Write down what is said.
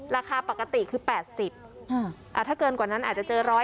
ราคาปกติคือแปดสิบอ่าถ้าเกินกว่านั้นอาจจะเจอร้อย